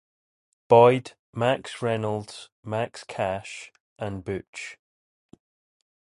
Boyd, Max Reynolds, Max Cash, and Butch.